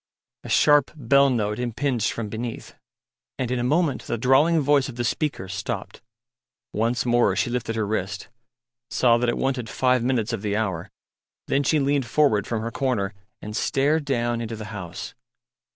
A sharp bell note impinged from beneath, and in a moment the drawling voice of the speaker stopped. Once more she lifted her wrist, saw that it wanted five minutes of the hour; then she leaned forward from her corner and stared down into the House.